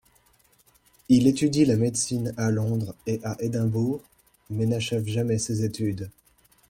Il étudie la médecine à Londres et à Édimbourg mais n’achève jamais ses études.